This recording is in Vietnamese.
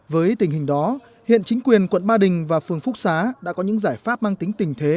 với tình hình đó hiện chính quyền quận ba đình và phường phúc xá đã có những giải pháp mang tính tình thế